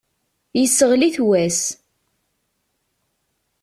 Yesseɣli-t wass.